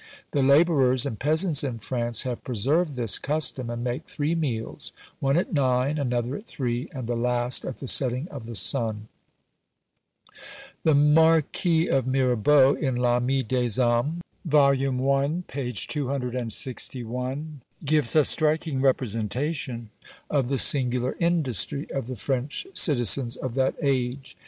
The labourers and peasants in France have preserved this custom, and make three meals; one at nine, another at three, and the last at the setting of the sun. The Marquis of Mirabeau, in "L'Ami des Hommes," Vol. I. p. 261, gives a striking representation of the singular industry of the French citizens of that age.